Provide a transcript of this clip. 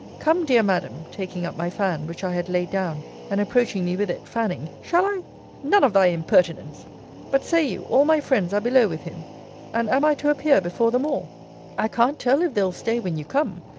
Come, dear Madam, taking up my fan, which I had laid down, and approaching me with it, fanning, shall I None of thy impertinence! But say you, all my friends are below with him? And am I to appear before them all? I can't tell if they'll stay when you come.